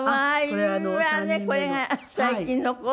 これが最近の子？